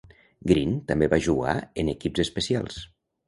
Green també va jugar en equips especials.